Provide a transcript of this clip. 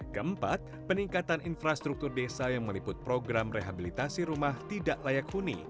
keempat peningkatan infrastruktur desa yang meliput program rehabilitasi rumah tidak layak huni